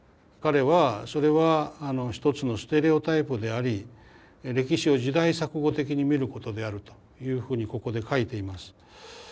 彼はそれは一つのステレオタイプであり歴史を時代錯誤的に見ることであるというふうにここで書いています。